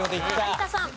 有田さん。